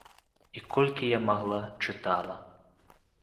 І колькі я магла, чытала.